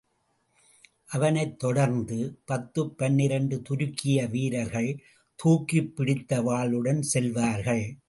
அவனைத் தொடர்ந்து, பத்துப் பன்னிரெண்டு துருக்கிய வீரர்கள் தூக்கிப்பிடித்த வாளுடன் செல்வார்கள்.